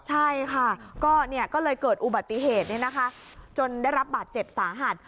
ใช่ค่ะก็เลยเกิดอุบัติเหตุจนได้รับบาดเจ็บสาหัส